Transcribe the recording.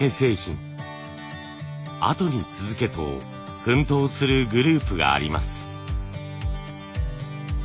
後に続けと奮闘するグループがあります。